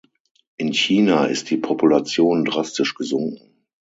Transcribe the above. In China ist die Population drastisch gesunken.